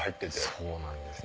そうなんですよ。